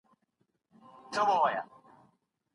محیط مو د مطالعې لپاره برابر کړئ.